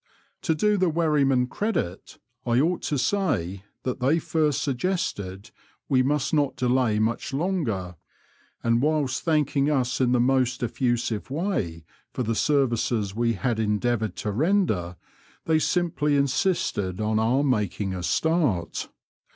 To do the wherrymen credit, I ought to say that they first suggested we must not delay much longer, and whilst thanking us in the most effusive way for the services we had endeavoured to render, they simply insisted on our making a start.